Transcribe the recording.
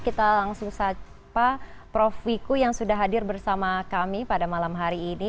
kita langsung sapa prof wiku yang sudah hadir bersama kami pada malam hari ini